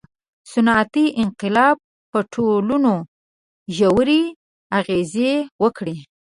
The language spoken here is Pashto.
• صنعتي انقلاب په ټولنو ژورې اغېزې وکړې.